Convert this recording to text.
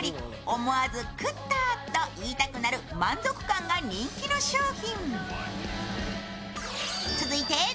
思わず「食った」と言いたくなる満足感が人気の商品。